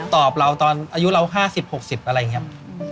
ตอบเราตอนอายุเราห้าสิบหกสิบอะไรอย่างเงี้ย